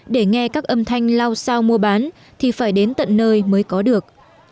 để nghe các âm thanh lao sao mua bán thì phải đến tận nơi mới có được